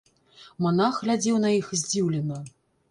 Манах глядзеў на іх здзіўлена.